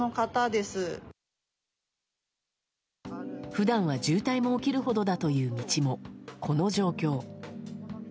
普段は渋滞も起きるほどだという道もこの状況。